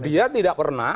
dia tidak pernah